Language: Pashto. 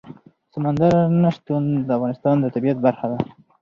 سمندر نه شتون د افغانستان د طبیعت برخه ده.